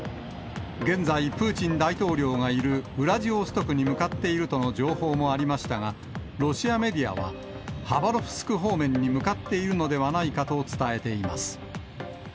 現在、プーチン大統領がいるウラジオストクに向かっているとの情報もありましたが、ロシアメディアは、ハバロフスク方面に向かっているのではないかと伝えています。